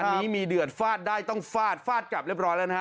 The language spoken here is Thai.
อันนี้มีเดือดฟาดได้ต้องฟาดฟาดกลับเรียบร้อยแล้วนะฮะ